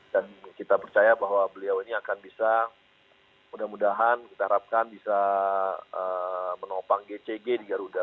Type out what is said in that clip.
dan kita percaya bahwa beliau ini akan bisa mudah mudahan kita harapkan bisa menopang gcg di garuda